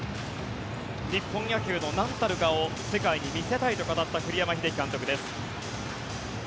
日本野球のなんたるかを世界に見せたいと語った栗山英樹監督です。